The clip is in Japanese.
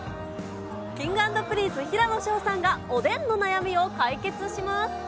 Ｋｉｎｇ＆Ｐｒｉｎｃｅ・平野紫燿さんがおでんの悩みを解決します。